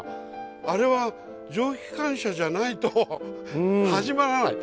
あれは蒸気機関車じゃないと始まらない。